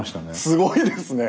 すごいですね。